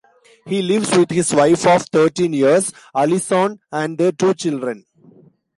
He lives with his wife of thirteen years, Alison and their two children.